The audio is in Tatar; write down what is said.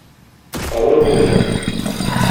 Авыр булдымы?